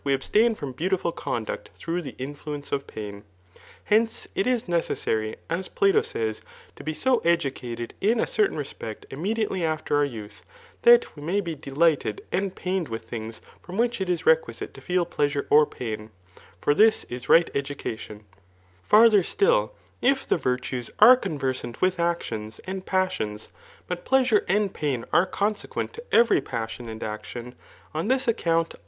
abstain from '}MKu(i&j|| conduct through the influence of .paixiu Hcaoe . h is accessary, as Bato says, to be so tdiKi£ed in a certain M^i^isoQiadiately after our youtht that vre may be dt •J%hied aad pained with things bom xi/bkh it is requisiite l9.:lbe} .pkAsare or pain; for this is right education* Strtbw stiUi if the virtues are Conversant with actions and • pMMiis, but pleasure and pain are consequent to every • Inssbn and action, on this account